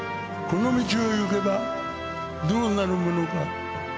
この道を行けばどうなるものか。